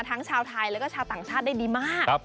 ทั้งชาวไทยแล้วก็ชาวต่างชาติได้ดีมาก